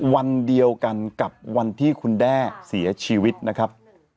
วันเดียวกันกับวันที่คุณแด้เสียชีวิตนะครับ